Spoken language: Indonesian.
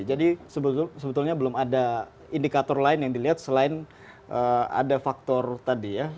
jadi sebetulnya belum ada indikator lain yang dilihat selain ada faktor tadi ya